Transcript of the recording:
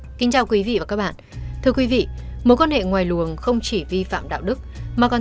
kính chào quý vị và các bạn thưa quý vị mối quan hệ ngoài luồng không chỉ vi phạm đạo đức mà còn